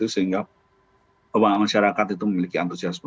sehingga pembangunan masyarakat itu memiliki antusiasme